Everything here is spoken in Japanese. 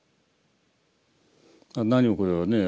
なにもこれはね